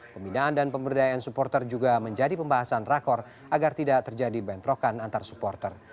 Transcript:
pembinaan dan pemberdayaan supporter juga menjadi pembahasan rakor agar tidak terjadi bentrokan antar supporter